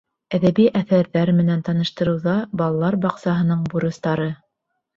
Әҙәби әҫәрҙәр менән таныштырыуҙа балалар баҡсаһының бурыстары.